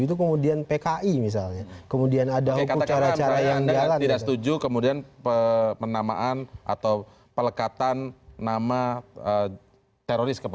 itu berhak untuk kemudian diberikan pembelaan hukum